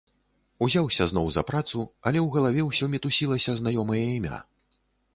Узяўся зноў за працу, але ў галаве ўсё мітусілася знаёмае імя.